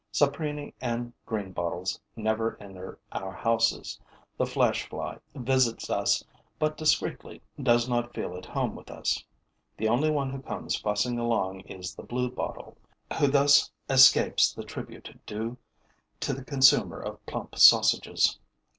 Saprini and greenbottles never enter our houses; the flesh fly visits us but discreetly, does not feel at home with us; the only one who comes fussing along is the bluebottle, who thus escapes the tribute due to the consumer of plump sausages.